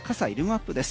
マップです。